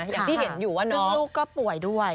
อย่างที่เห็นอยู่ว่าน้องลูกก็ป่วยด้วย